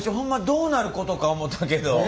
どうなることか思たけど。